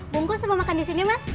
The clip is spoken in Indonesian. bungkus sama makan disini mas